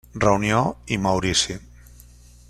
Reunió i Maurici.